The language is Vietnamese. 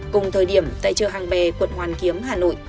cùng thời điểm tại chợ hàng bè quận hoàn kiếm hà nội